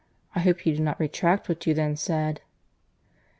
I hope you do not retract what you then said."